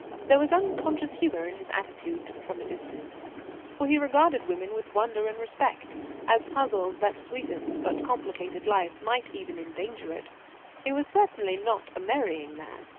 There was unconscious humour in his attitude from a distance; for he regarded women with wonder and respect, as puzzles that sweetened but complicated life, might even endanger it. He certainly was not a marrying man!